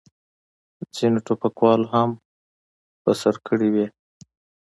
ځینو ټوپکوالو هم په سر کړې وې.